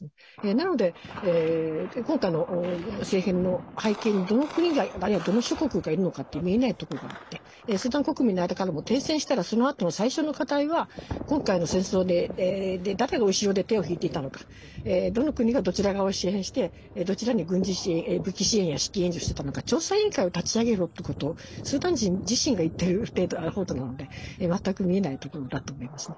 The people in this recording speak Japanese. なので今回の政変の背景にどの国があるいはどの諸国がいるのかって見えないところがあってスーダン国民の間からも停戦したらそのあと最初の課題は今回の戦争で誰が後ろで手を引いていたのかどの国がどちら側を支援してどちらに軍事支援や武器支援支援資金をしていたのか調査委員会を立ち上げろということをスーダン人自身が言っている例がある程なので全く見えないところだと思います。